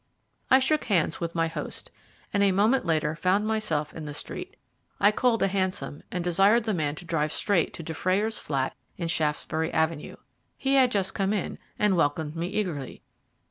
I shook hands with my host, and a moment later found myself in the street. I called a hansom, and desired the man to drive straight to Dufrayer's flat in Shaftesbury Avenue. He had just come in, and welcomed me eagerly.